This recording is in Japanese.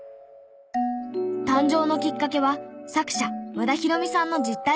誕生のきっかけは作者和田裕美さんの実体験。